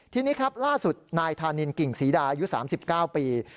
ทีนี้ครับล่าสุดนายธานินกิ่งศรีดาอายุ๓๙ปี